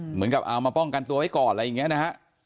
เหมือนกับเอามาป้องกันตัวไว้ก่อนอะไรอย่างนี้นะฮะ